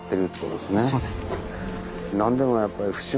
そうです。